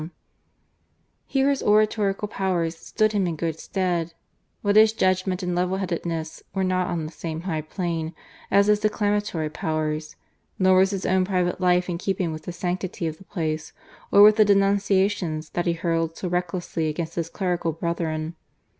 Here his oratorical powers stood him in good stead, but his judgment and level headedness were not on the same high plane as his declamatory powers, nor was his own private life in keeping with the sanctity of the place or with the denunciations that he hurled so recklessly against his clerical brethren.